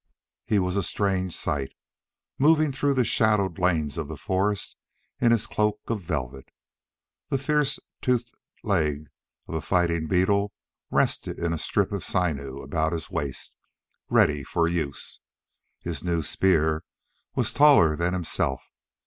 He was a strange sight, moving through the shadowed lanes of the forest in his cloak of velvet. The fierce toothed leg of a fighting beetle rested in a strip of sinew about his waist, ready for use. His new spear was taller than himself.